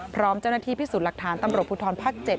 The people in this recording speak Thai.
พร้อมเจ้าหน้าที่พิสูจน์หลักฐานตำรวจภูทรภาค๗